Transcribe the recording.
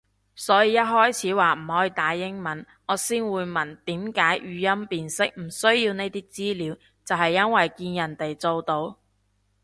所以一開始話唔可以打英文，我先會問點解語音辨識唔需要呢啲資料就係因為見人哋做到